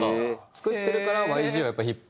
作ってるから。